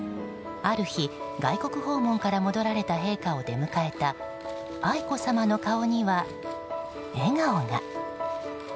ある日、外国訪問から戻られた陛下を出迎えた愛子さまの顔には笑顔が。